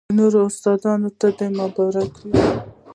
درنو استادانو ته مبارکي وايو،